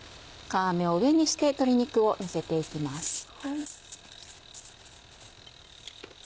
皮目を上にして鶏肉をのせて行きます。